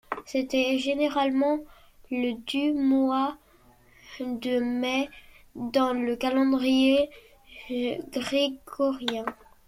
C'était généralement le du mois de mai dans le calendrier grégorien.